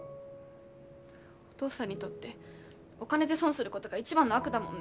お父さんにとってお金で損するごどが一番の悪だもんね。